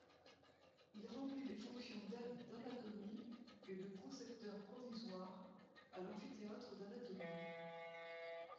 Il remplit les fonctions d'aide d'anatomie, et de prosecteur provisoire à l'amphithéâtre d'anatomie.